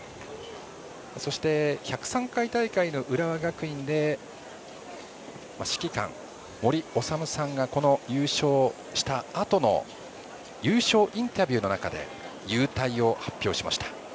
そして１０３回大会の浦和学院で指揮官、森士さんが優勝した後の優勝インタビューの中で勇退を発表しました。